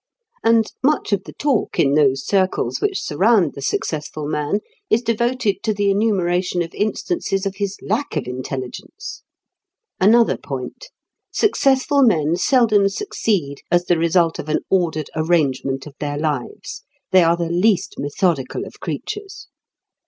And much of the talk in those circles which surround the successful man is devoted to the enumeration of instances of his lack of intelligence. Another point: successful men seldom succeed as the result of an ordered arrangement of their lives; they are the least methodical of creatures.